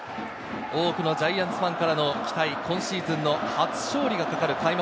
多くのジャイアンツファンからの期待、今シーズンの初勝利がかかる開幕